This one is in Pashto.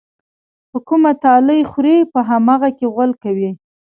په کومه تالې خوري، په هماغه کې غول کوي.